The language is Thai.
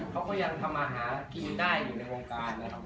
เขาก็ยังทำอาหารกินได้อยู่ในวงการนะครับ